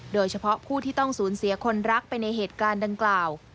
โดยเฉพาะผู้ที่ต้องสูญเสียคนรักไปในเหตุการณ์ดังกล่าว